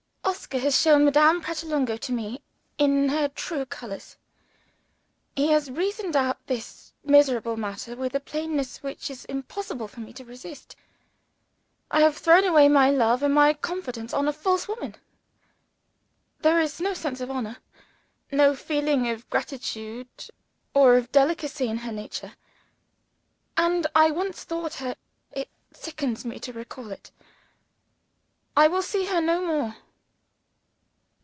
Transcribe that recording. Oscar has shown Madame Pratolungo to me, in her true colors. He has reasoned out this miserable matter with a plainness which it is impossible for me to resist. I have thrown away my love and my confidence on a false woman: there is no sense of honor, no feeling of gratitude or of delicacy in her nature. And I once thought her it sickens me to recall it! I will see her no more.